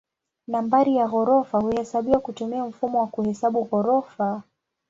Nambari ya ghorofa huhesabiwa kutumia mfumo wa kuhesabu ghorofa.